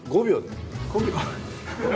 ５秒？